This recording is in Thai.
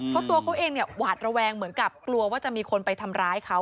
เพราะตัวเขาเองเนี่ยหวาดระแวงเหมือนกับกลัวว่าจะมีคนไปทำร้ายเขา